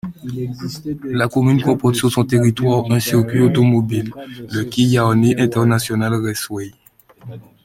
La commune comporte sur son territoire un circuit automobile, le Killarney International Raceway.